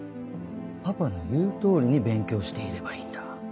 パパの言う通りに勉強していればいいんだ。